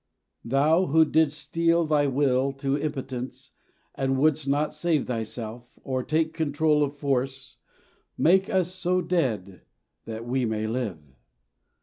Thou who didst steel thy will to impotence, And wouldst not save Thyself, or take control Of force, make us so dead that we may live.